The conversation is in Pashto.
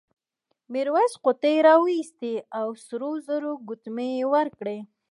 میرويس قوطۍ راوایستې او سرو زرو ګوتمۍ یې ورکړې.